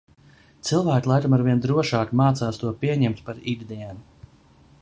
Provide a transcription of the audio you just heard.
Cilvēki laikam arvien drošāk mācās to pieņemt par ikdienu.